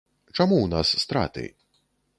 Чаму ў нас страты?